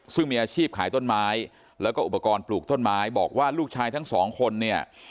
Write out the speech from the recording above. ซึ่งมีอาชีพขายต้นไม้แล้วก็อุปกรณ์ปลูกต้นไม้บอกว่าลูกชายทั้งสองคนเนี่ย